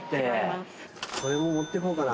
これも持ってこうかな。